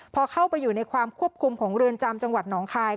พอเข้าไปอยู่ในความควบคุมของเรือนจำจังหวัดหนองคาย